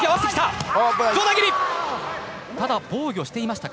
ただ、防御していましたか？